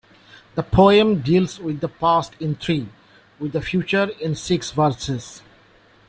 The poem deals with the past in three, with the future in six verses.